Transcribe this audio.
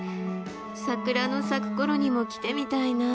桜の咲く頃にも来てみたいなあ。